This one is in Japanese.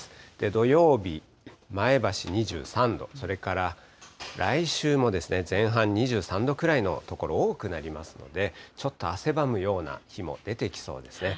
土曜日、前橋２３度、それから来週も前半、２３度ぐらいの所、多くなりますので、ちょっと汗ばむような日も出てきそうですね。